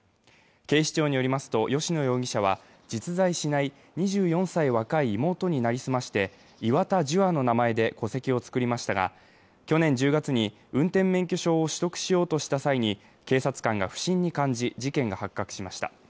警視庁によりますと、吉野容疑者は実在しない２４歳若い妹に成り済まして、岩田樹亜の名前で戸籍を作りましたが、去年１０月に運転免許証を取得しようとした際に警察官が不審に感じ事件が発覚しました。